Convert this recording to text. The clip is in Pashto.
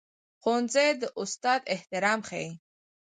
ښوونځی د استاد احترام ښيي